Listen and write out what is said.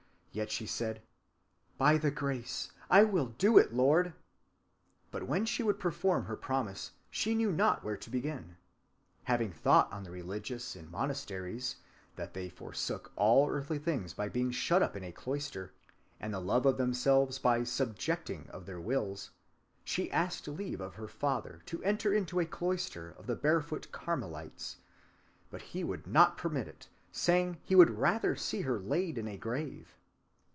Yet she said, 'By thy Grace I will do it, Lord!' But when she would perform her promise, she knew not where to begin. Having thought on the religious in monasteries, that they forsook all earthly things by being shut up in a cloister, and the love of themselves by subjecting of their wills, she asked leave of her father to enter into a cloister of the barefoot Carmelites, but he would not permit it, saying he would rather see her laid in her grave.